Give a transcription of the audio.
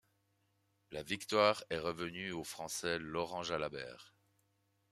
La victoire est revenue au Français Laurent Jalabert.